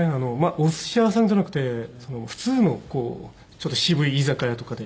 お寿司屋さんじゃなくて普通のちょっと渋い居酒屋とかで。